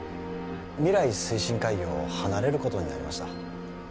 未来推進会議を離れることになりました